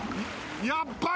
やっぱり。